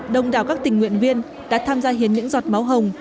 đông đảo các tình nguyện viên đã tham gia hiến những giọt máu hồng